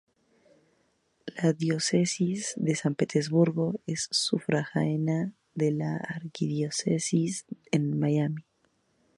La Diócesis de San Petersburgo es sufragánea de la Arquidiócesis de Miami.